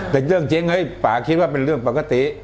เป็นเรื่องจริงเฮ้ยป่าคิดว่าเป็นเรื่องปกติ